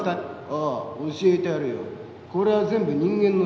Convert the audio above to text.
ああ教えてやるよ。